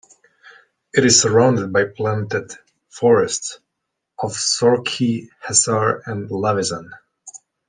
It is surrounded by planted forests of Sorkhe-hesar and Lavizan.